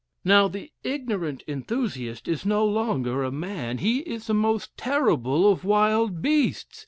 Now, the ignorant enthusiast is no longer a man; he is the most terrible of wild beasts.